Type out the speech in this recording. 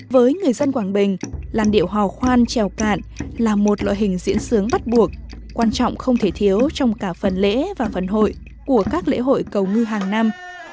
với người dân quảng bình làn điệu hò khoan trèo cạn là một loại hình diễn sướng bắt buộc quan trọng không thể thiếu trong cả phần lễ và phần hội của các lễ hội cầu ngư hàng năm